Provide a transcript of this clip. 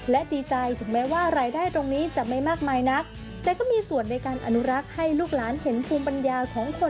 และดีใจถึงแม้ว่ารายได้ตรงนี้แต่ไม่มากมายนัก